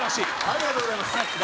ありがとうございます。